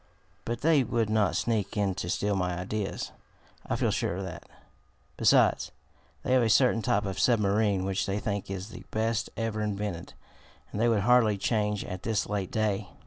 But they would not sneak in to steal my ideas. I feel sure of that. Besides, they have a certain type of submarine which they think is the best ever invented, and they would hardly change at this late day.